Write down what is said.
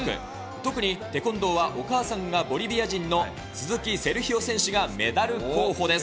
特にテコンドーはお母さんがボリビア人の鈴木セルヒオ選手がメダル候補です。